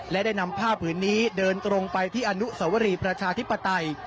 และได้นำผ้าผืนนี้เดินตรงไปที่อนุสวรีประชาธิปไตย